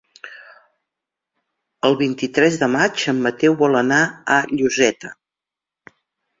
El vint-i-tres de maig en Mateu vol anar a Lloseta.